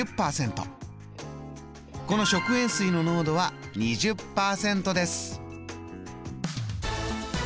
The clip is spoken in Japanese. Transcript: この食塩水の濃度は２０％です。